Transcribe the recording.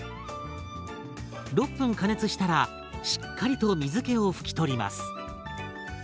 ６分加熱したらしっかりと水けを拭き取ります。